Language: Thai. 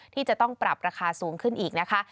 ที่จะต้องปรับราคาสูงขึ้นอีกนะคะ